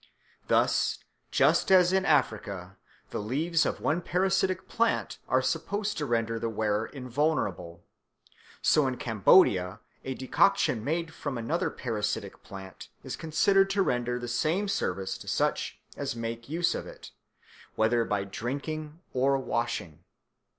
Thus just as in Africa the leaves of one parasitic plant are supposed to render the wearer invulnerable, so in Cambodia a decoction made from another parasitic plant is considered to render the same service to such as make use of it, whether by drinking or washing.